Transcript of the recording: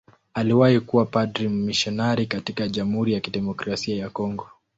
Aliwahi kuwa padri mmisionari katika Jamhuri ya Kidemokrasia ya Kongo.